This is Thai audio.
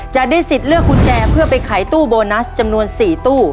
จะได้สิทธิ์เลือกกุญแจเพื่อไปขายตู้โบนัสจำนวน๔ตู้